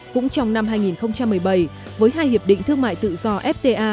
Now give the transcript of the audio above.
cũng trong năm hai nghìn một mươi bảy với hai hiệp định thương mại tự do fta